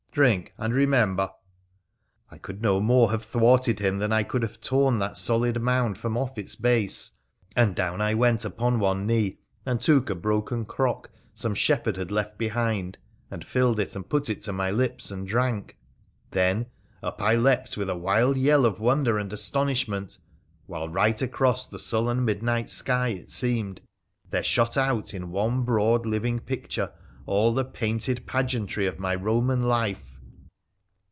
' Drink and remember !' I could no more have thwarted him than I could have torn that solid mound from off its base, and down I went upon one knee, and took a broken crock some shepherd had left behind, and filled it, and put it to my lips, and drank. Then up I 332 WONDERFUL ADVENTURES OF leapt with a wild yell of wonder and astonishment, while right across the sullen midnight sky, it seemed, there shot out in one broad living picture all the painted pageantry of my Eoman life.